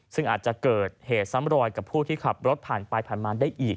ซึ่งอาจจะเกิดเหตุซ้ำรอยกับผู้ที่ขับรถผ่านไปผ่านมาได้อีก